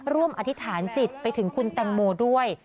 อธิษฐานจิตไปถึงคุณแตงโมด้วย